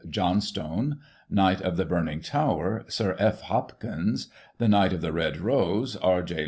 Johnstone ; Knight of the Burning Tower, SiR F. Hopkins ; The Knight of the Red Rose, R. J.